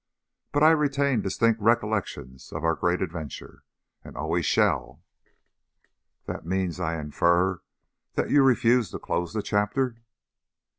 " but I retain distinct recollections of our Great Adventure, and always shall." "That means, I infer, that you refuse to close the chapter?"